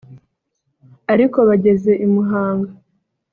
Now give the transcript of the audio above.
ariko bageze i Muhanga